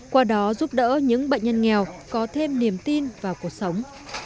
qua đó giúp đỡ những bệnh nhân nghèo có thêm niềm tin vào cuộc sống